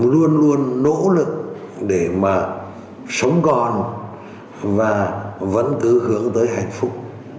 luôn luôn nỗ lực để mà sống còn và vẫn cứ hướng tới hạnh phúc